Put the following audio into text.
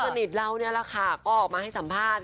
ตรงกันอีกแล้วเนี่ยแหละค่ะก็ออกมาให้สัมภาษณ์